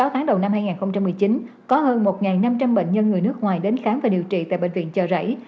sáu tháng đầu năm hai nghìn một mươi chín có hơn một năm trăm linh bệnh nhân người nước ngoài đến khám và điều trị tại bệnh viện chợ rẫy